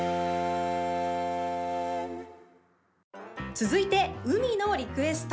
続いて海のリクエスト。